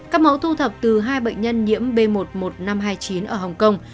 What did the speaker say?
các mẫu thu thập từ hai bệnh nhân nhiễm b một mươi một nghìn năm trăm hai mươi chín ở hồng kông